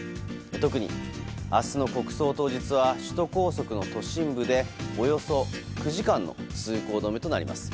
特に、明日の国葬当日は首都高速の都心部でおよそ９時間の通行止めとなります。